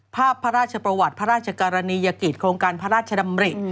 พระราชประวัติพระราชกรณียกิจโครงการพระราชดำริ